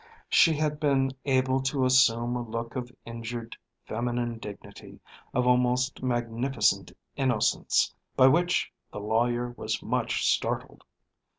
She had been able to assume a look of injured feminine dignity, of almost magnificent innocence, by which the lawyer was much startled.